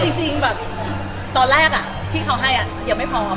มีเรื่องแบบนี้เกิดขึ้นนะ